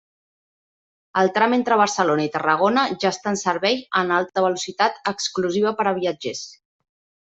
El tram entre Barcelona i Tarragona ja està en servei en alta velocitat exclusiva per a viatgers.